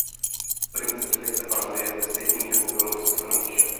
Princip detekce fáze je zde stejný jako bylo vysvětleno výše.